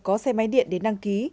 có xe máy điện đến đăng ký